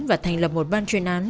và thành lập một ban chuyên án